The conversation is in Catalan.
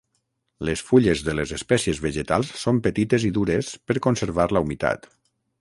Les fulles de les espècies vegetals són petites i dures per conservar la humitat.